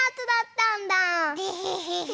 デヘヘヘ。